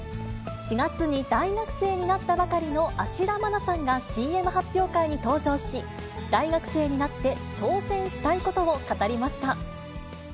４月に大学生になったばかりの芦田愛菜さんが、ＣＭ発表会に登場し、大学生になって挑戦したいことを語りました。